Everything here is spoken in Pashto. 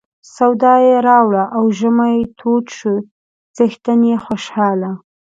سودا یې راوړه او ژمی تود شو څښتن یې خوشاله.